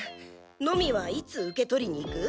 ノミはいつ受け取りに行く？